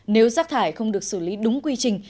nếu rác thải không được xử lý đúng quy trình